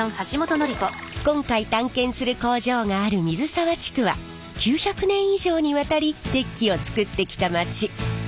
今回探検する工場がある水沢地区は９００年以上にわたり鉄器を作ってきた町。